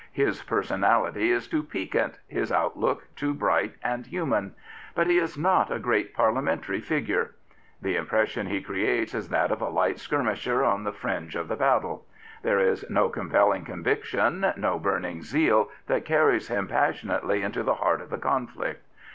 His personality is too piquant, his outlook too bright and human. But he is not a great Parliamentary figure. The impression he creates is that of a light skirmisher on the fringe of the battle. There is no compelling conviction, no burning zeal that carries him passion ately into the heart of the conflict.